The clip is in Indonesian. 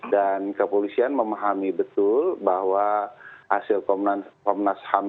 dan kepolisian memahami betul bahwa hasil komnas ham